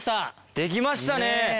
できましたね。